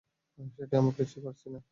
সেটাই, আমরা কিছুই পারছি না।